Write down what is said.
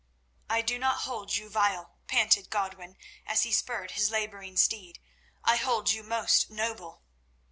"I do not hold you vile," panted Godwin, as he spurred his labouring steed. "I hold you most noble."